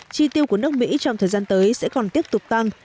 chi tiêu của nước mỹ trong thời gian tới sẽ còn tiếp tục tăng